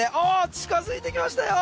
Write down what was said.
近づいてきましたよ。